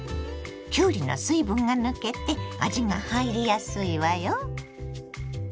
きゅうりの水分が抜けて味が入りやすいわよ。